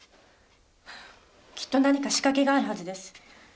きっと何か仕掛けがあるはずです。